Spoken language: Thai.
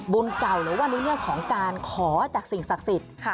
บุญเก่าหรือวันลิเมียของการขอจากสิ่งศักดิ์สิทธิ์